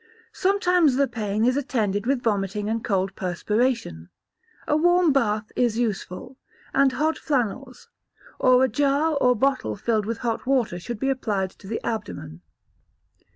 Sometimes the pain is attended with vomiting and cold perspiration. A warm bath is useful, and hot flannels, or a jar or bottle filled with hot water should be applied to the abdomen.